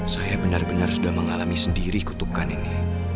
saya benar benar sudah mengalami sendiri kutukan ini